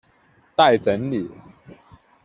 待整理